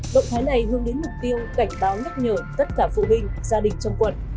động thái này hướng đến mục tiêu cảnh báo nhắc nhở tất cả phụ huynh gia đình trong quận